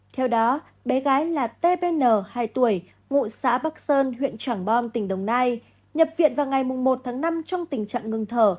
theo đó bé gái là tvn hai tuổi ngụ xã bắc sơn huyện trảng bom tỉnh đồng nai nhập viện vào ngày một tháng năm trong tình trạng ngừng thở